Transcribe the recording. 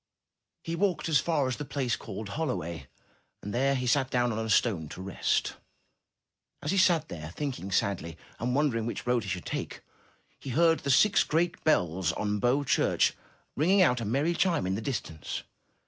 He walked as far as the place called Holloway, and there he sat down on a stone to rest. As he sat there, thinking sadly, and wondering which road he should take, he heard the six great bells on Bow Church, ringing out a merry chime in the distance.